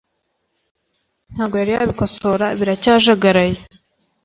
ntago yari yabikosora biracyajagaraye